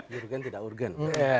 jurgen tidak urgen